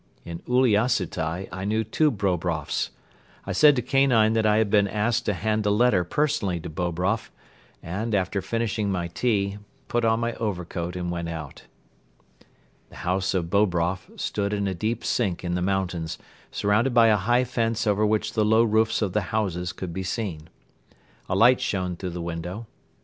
In Uliassutai I knew two Bobroffs. I said to Kanine that I had been asked to hand a letter personally to Bobroff and, after finishing my tea, put on my overcoat and went out. The house of Bobroff stood in a deep sink in the mountains, surrounded by a high fence over which the low roofs of the houses could be seen. A light shone through the window.